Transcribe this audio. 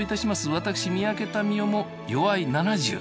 私三宅民夫も齢７０。